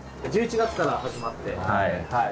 １１月から始まって。